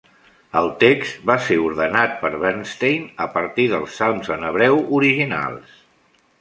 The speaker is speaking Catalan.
El text va ser ordenat per Bernstein a partir dels salms en hebreu originals.